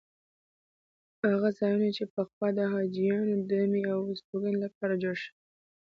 هغه ځایونه چې پخوا د حاجیانو دمې او استوګنې لپاره جوړ شوي.